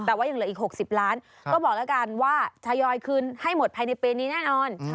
แต่ว่ายังเหลืออีก๖๐ล้านก็บอกแล้วกันว่าทยอยคืนให้หมดภายในปีนี้แน่นอน